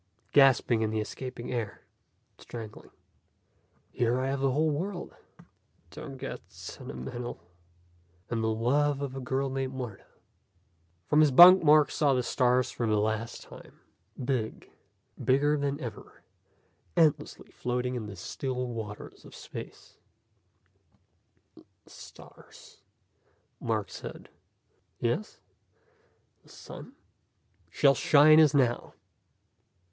Gasping in the escaping air. Strangling. "Here I have a whole world " "Don't get sentimental " "And the love of a girl named Martha." From his bunk Mark saw the stars for the last time. Big, bigger than ever, endlessly floating in the still waters of space. "The stars ..." Mark said. "Yes?" "The sun?" " shall shine as now."